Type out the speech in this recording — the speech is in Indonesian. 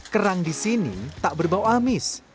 kerang disini tak berbau amis